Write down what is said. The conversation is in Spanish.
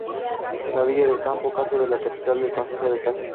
La villa de Campo de Caso es la capital del concejo de Caso.